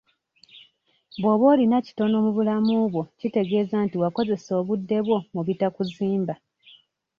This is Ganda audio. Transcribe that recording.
Bw'oba olina kitono mu bulamu bwo kitegeeza nti wakozesa obudde bwo mu bitakuzimba.